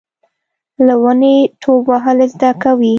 له ونې ټوپ وهل زده کوي .